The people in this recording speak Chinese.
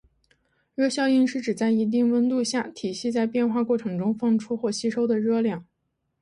热效应是指在一定温度下，体系在变化过程中放出或吸收的热量。